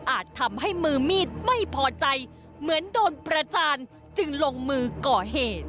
ทำให้มือมีดไม่พอใจเหมือนโดนประจานจึงลงมือก่อเหตุ